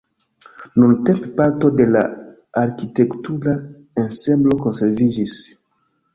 Nuntempe parto de la arkitektura ensemblo konserviĝis.